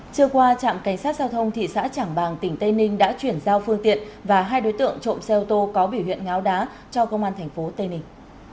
trưa qua trạm cảnh sát giao thông thị xã trảng bàng tỉnh tây ninh đã chuyển giao phương tiện và hai đối tượng trộm xe ô tô có biểu huyện ngáo đá cho công an tp tây ninh